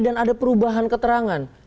dan ada perubahan keterangan